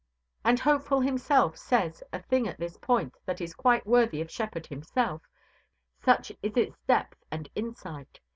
And Hopeful himself says a thing at this point that is quite worthy of Shepard himself, such is its depth and insight.